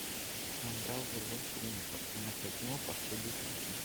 È un browser web unico che mette al primo posto gli utenti